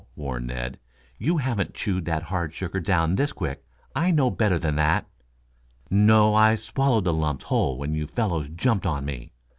warned Ned. "You haven't chewed that hard sugar down this quick. I know better than that." "No, I swallowed the lumps whole when you fellows jumped on me.